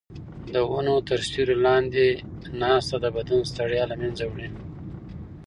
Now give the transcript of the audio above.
د ونو تر سیوري لاندې ناسته د بدن ستړیا له منځه وړي.